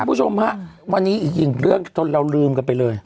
พี่ชมว่าวันนี้อีกอีกเรื่องเราลืมกันไปเลย